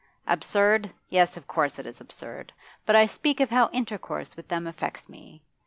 Absurd? Yes, of course, it is absurd; but I speak of how intercourse with them affects me.